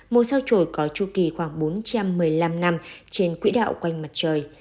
một sao trồi có tru kỳ khoảng bốn trăm một mươi năm năm trên quỹ đạo quanh mặt trời